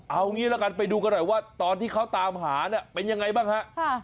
เอางันยังงี้ไปดูกันกันว่าตอนที่ค้าตามหาเป็นยังไงบ้างฮะ